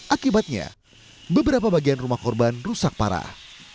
akibatnya beberapa bagian rumah korban rusak parah